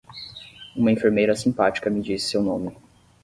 Uma enfermeira simpática me disse seu nome.